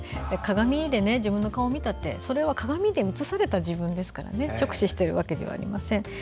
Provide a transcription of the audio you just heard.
鏡で自分の顔を見たってそれは鏡で映された自分ですから直視してるわけではありません。